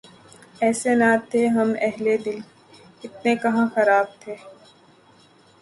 ایسے نہ تھے ہم اہلِ دل ، اتنے کہاں خراب تھے